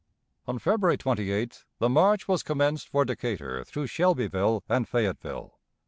On February 28th the march was commenced for Decatur through Shelbyville and Fayetteville.